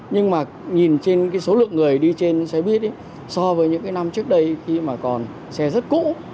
nhưng mà nhìn trên cái số lượng người đi trên xe buýt so với những cái năm trước đây khi mà còn xe rất cũ